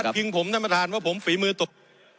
พิงผมท่านประธานว่าผมฝีมือตบ